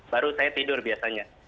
baru saya tidur biasanya